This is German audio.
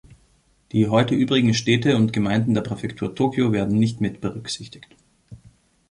Die heute übrigen Städte und Gemeinden der Präfektur Tokio werden nicht mitberücksichtigt.